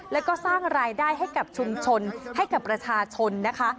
แล้วก็สร้างรายได้ให้กับชุมชนให้กับประชาชนนะคะ